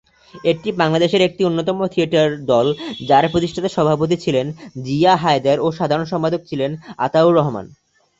এটি বাংলাদেশের একটি অন্যতম থিয়েটার দল যার প্রতিষ্ঠাতা সভাপতি ছিলেন জিয়া হায়দার ও সাধারণ সম্পাদক ছিলেন আতাউর রহমান।